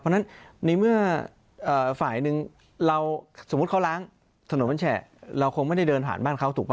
เพราะฉะนั้นในเมื่อฝ่ายหนึ่งเราสมมุติเขาล้างถนนมันแฉะเราคงไม่ได้เดินผ่านบ้านเขาถูกป่